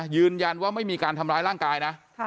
ยืนยันว่าไม่มีการทำร้ายร่างกายนะ